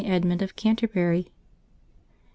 EDMUND OF CANTERBURY. |t.